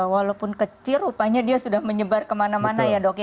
walaupun kecil rupanya dia sudah menyebar kemana mana ya dok ya